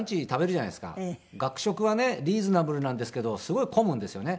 学食はねリーズナブルなんですけどすごい混むんですよね。